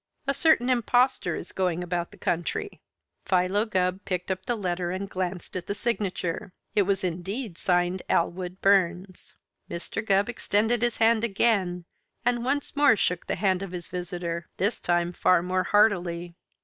A certain impostor is going about the country " Philo Gubb picked up the letter and glanced at the signature. It was indeed signed "Allwood Burns." Mr. Gubb extended his hand again and once more shook the hand of his visitor this time far more heartily.